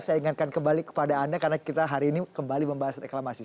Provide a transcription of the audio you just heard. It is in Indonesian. saya ingatkan kembali kepada anda karena kita hari ini kembali membahas reklamasi